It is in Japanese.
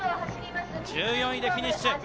１４位でフィニッシュ。